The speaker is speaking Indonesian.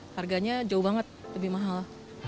harganya jauh banget lebih mahal